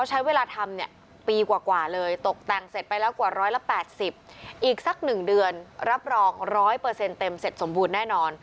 ช่างคนไทยเป็นคนออกแบบ